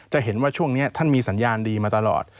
เห็นว่าช่วงนี้ท่านมีสัญญาณดีมาตลอด